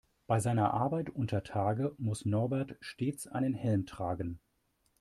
Bei seiner Arbeit untertage muss Norbert stets einen Helm tragen.